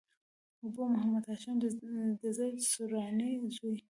ابو محمد هاشم د زيد سرواني زوی.